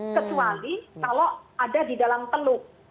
kecuali kalau ada di dalam teluk